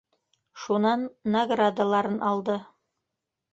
Шунан наградаларын алды.